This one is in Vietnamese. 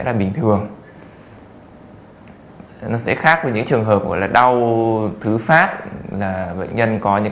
là bình thường nó sẽ khác với những trường hợp gọi là đau thứ phát là bệnh nhân có những